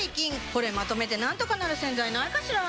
これまとめてなんとかなる洗剤ないかしら？